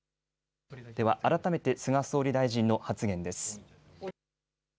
では改めて菅総理大臣の発言です。